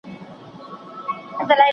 ¬ ادم خان نر و، که ښځه؟